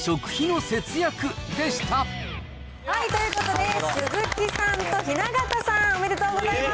ということで、鈴木さんと雛形さん、おめでとうございます。